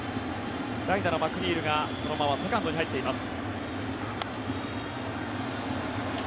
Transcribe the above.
代打のマクニールがそのままセカンドに入っています。